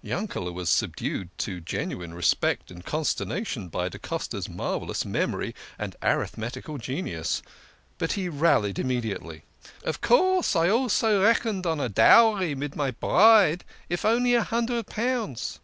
Yanked was subdued to genuine respect and consternation by da Costa's marvellous memory and arithmetical genius. But he rallied immediately. " Of course, I also reckoned on a dowry mid my bride, if only a hundred pounds."